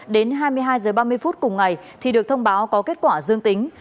đến hai mươi hai h ba mươi phút cùng ngày thì được thông báo có kết quả dương tính